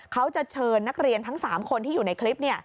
เขาจะเชิญนักเรียนทั้ง๓คนที่อยู่ในคลิป